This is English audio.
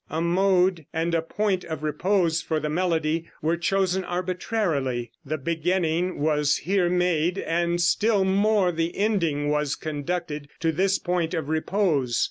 A mode and a point of repose for the melody were chosen arbitrarily; the beginning was here made, and still more the ending was conducted to this point of repose.